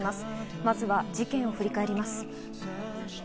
まずは事件を振り返ります。